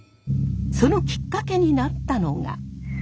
そのきっかけになったのが。